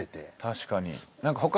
確かに。